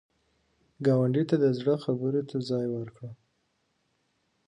ګاونډي ته د زړه خبرو ته ځای ورکړه